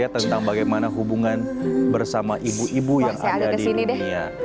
tentang bagaimana hubungan bersama ibu ibu yang ada di dunia